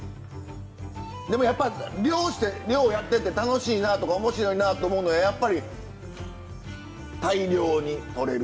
でもやっぱ漁して漁やってて楽しいなとか面白いなと思うのはやっぱり大量にとれる？